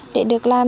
để được làm